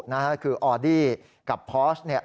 นะฮะคือออดี้กับพอสเนี่ย